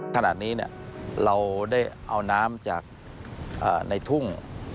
ขณะนี้เราได้เอาน้ำจากในทุ่ง